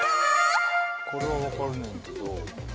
これは分かるねんけど。